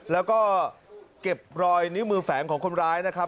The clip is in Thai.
แล้วก็เก็บรอยนิ้วมือแฝงของคนร้ายนะครับ